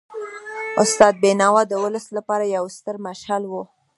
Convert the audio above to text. استاد بینوا د ولس لپاره یو ستر مشعل و.